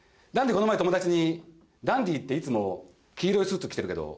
この前友達に「ダンディっていつも黄色いスーツ着てるけど」